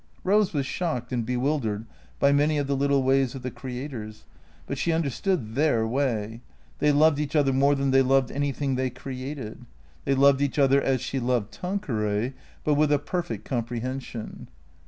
Eose was shocked and bewildered by many of the little ways of the creators, but she understood their way. They loved each other more than they loved anything they created. They loved each other as she loved Tanqueray, but with a per fect comprehension.